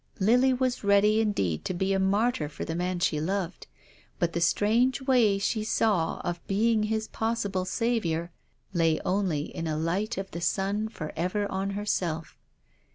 Lily was ready indeed to be a martyr for the man she loved. But the strange way she saw of being his possible saviour lay only in a light of the sun forever on herself.